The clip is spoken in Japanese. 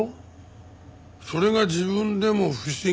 それが自分でも不思議なんだ。